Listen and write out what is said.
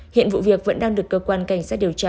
hiện vụ việc vẫn đang được cơ quan cảnh sát điều tra